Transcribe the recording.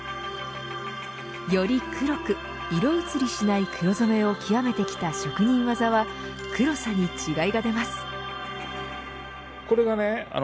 より黒く色移りしない黒染めを極めてきた職人技は黒さに違いが出ます。